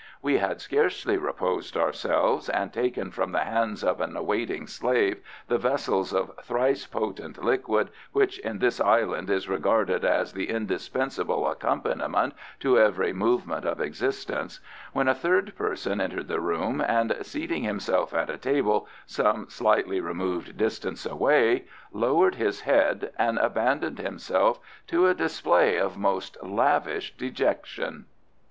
We had scarcely reposed ourselves, and taken from the hands of an awaiting slave the vessels of thrice potent liquid which in this Island is regarded as the indispensable accompaniment to every movement of existence, when a third person entered the room, and seating himself at a table some slightly removed distance away, lowered his head and abandoned himself to a display of most lavish dejection.